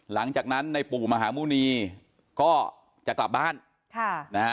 หลังจากนั้นในปู่มหาบุนีก็จะกลับบ้าน